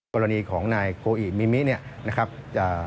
กรณีของนายโกอิมิมิเนี่ยนะครับ